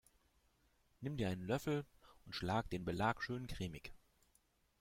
Nimm dir einen Löffel und schlag den Belag schön cremig.